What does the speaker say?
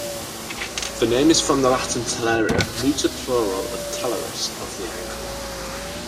The name is from the Latin "talaria", neuter plural of "talaris", "of the ankle".